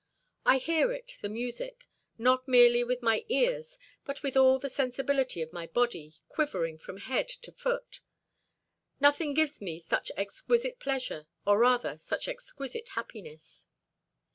I hear it, the music, not merely with my ears, but with all the sensibility of my body quivering from head to foot. Nothing gives me such exquisite pleasure, or rather such exquisite happiness."